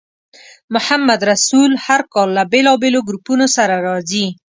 محمدرسول هر کال له بېلابېلو ګروپونو سره راځي.